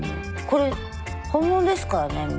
これ本物ですからね皆さん。